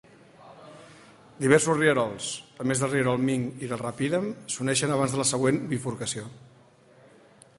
Diversos rierols, a més del rierol Mink i el Rapidam, s'uneixen abans de la següent bifurcació.